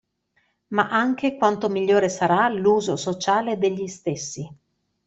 Ma anche quanto migliore sarà l'uso sociale degli stessi.